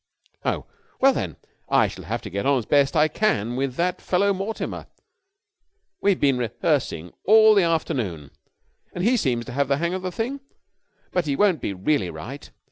"Oh, well, then I shall have to get on as best I can with that fellow Mortimer. We've been rehearsing all the afternoon and he seems to have the hang of the thing. But he won't be really right.